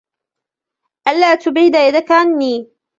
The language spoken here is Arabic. ألا تبعد يدك عني ؟